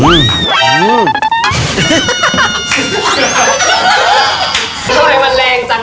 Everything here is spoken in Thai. มันนี่ครีปเองครับ